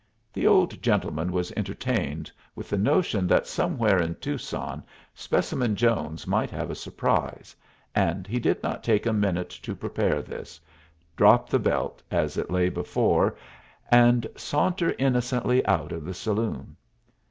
The old gentleman was entertained with the notion that somewhere in Tucson Specimen Jones might have a surprise, and he did not take a minute to prepare this, drop the belt as it lay before, and saunter innocently out of the saloon.